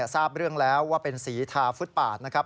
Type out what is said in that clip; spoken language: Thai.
ทราบเรื่องแล้วว่าเป็นสีทาฟุตปาดนะครับ